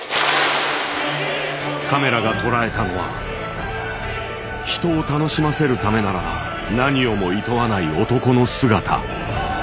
カメラが捉えたのは人を楽しませるためならば何をも厭わない男の姿。